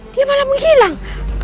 dia malah menghilang